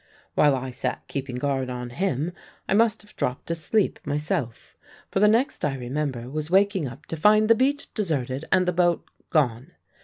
"While I sat keeping guard on him I must have dropped asleep myself; for the next I remember was waking up to find the beach deserted and the boat gone.